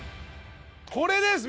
これです。